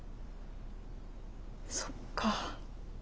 そっか。